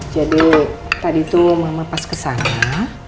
jadi tadi tuh mama pas kesana